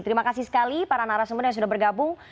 terima kasih sekali para narasumber yang sudah bergabung